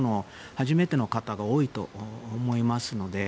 初めての方が多いと思いますので。